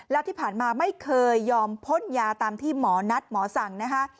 แล้วที่ผ่านมาไม่เคยยอมพ่นยาตามที่หมอนัดหมอสั่งนะคะ